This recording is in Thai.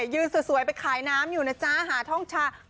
ยืนสวยไปขายน้ำอยู่นะจ๊ะ